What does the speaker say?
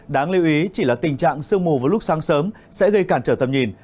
đáng lưu ý chỉ là tình trạng sương mù vào lúc sáng sớm sẽ gây cản trở tầm nhìn